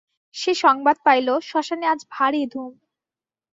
সে সংবাদ পাইল, শ্মশানে আজ ভারি ধুম।